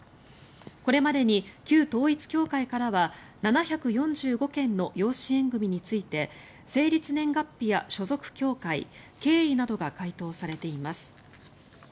これまでに旧統一教会からは７４５件の養子縁組について成立年月日や所属教会経緯などが回答されています。